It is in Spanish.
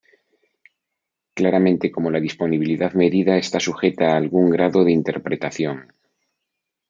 Claramente como la disponibilidad medida está sujeta a algún grado de interpretación.